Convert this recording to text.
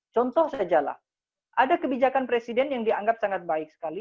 contoh sajalah ada kebijakan presiden yang dianggap sangat baik sekali